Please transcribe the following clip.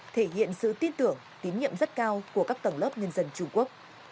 thể hiện sự tin tưởng tín nhiệm rất cao của các tầng lớp nhân dân trung quốc